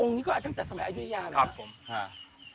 อ๋อองค์นี้ก็ตั้งแต่สมัยอายุทธยาหรือครับครับผม